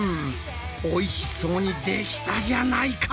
おいしそうにできたじゃないか！